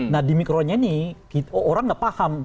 nah di mikronya ini orang nggak paham